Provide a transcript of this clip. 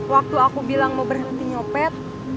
waktu aku bilang mau berhenti nyopet